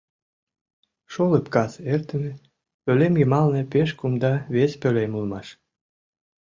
Шолып кас эртыме пӧлем йымалне пеш кумда вес пӧлем улмаш.